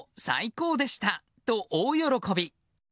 最高でしたと大喜び。